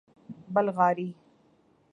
بلغاری